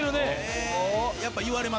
やっぱ言われますか？